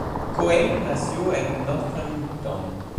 Cohen nació en Northampton.